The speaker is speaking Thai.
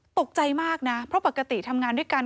ตกใจมากนะเพราะปกติทำงานด้วยกัน